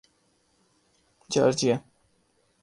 Georgia